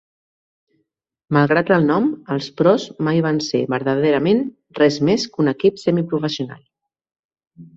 Malgrat el nom, els Pros mai van ser verdaderament res més que un equip semi-professional.